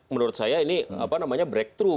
menurut saya ini breakthrough